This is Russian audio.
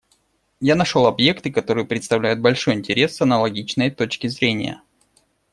Я нашел объекты, которые представляют большой интерес с аналогичной точки зрения.